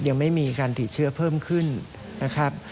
ยังไม่มีการติดเชื้อเพิ่มขึ้นนะครับ